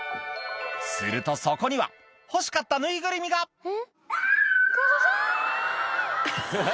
するとそこには欲しかったぬいぐるみがかわいい。